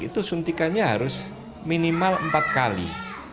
itu suntikannya harus minimal empat kali